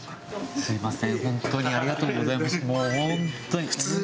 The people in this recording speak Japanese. すいません。